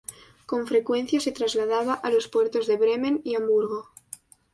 Con frecuencia se trasladaba a los puertos de Bremen y Hamburgo.